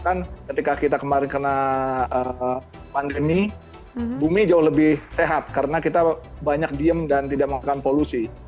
karena karena pandemi bumi jauh lebih sehat karena kita banyak diem dan tidak mengangkat polusi